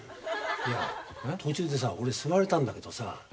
いや途中でさ俺座れたんだけどさ